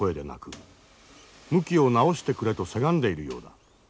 向きを直してくれとせがんでいるようだ。